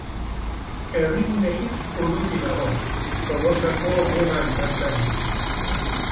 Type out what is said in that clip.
Herrigunetik urruti dago, Tolosako mugan bertan.